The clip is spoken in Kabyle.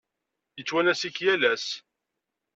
Yettwanas-ik yal ass.